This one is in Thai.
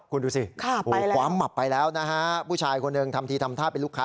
คุณดูสิความหมับไปแล้วนะฮะผู้ชายคนหนึ่งทำทีทำท่าเป็นลูกค้า